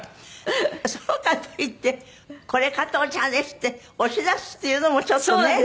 そうかといって「これ加藤茶です」って押し出すっていうのもちょっとね。